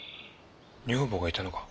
女房がいたのか？